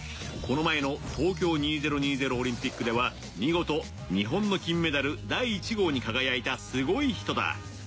この前の東京２０２０オリンピックでは見事日本の金メダル第１号に輝いたすごい人だ。